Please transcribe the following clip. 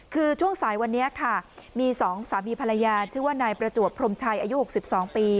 คือช่วงสายวันนี้ค่ะมี๒สามีภรรยาชื่อว่านายประจวบพรมชัยอายุ๖๒ปี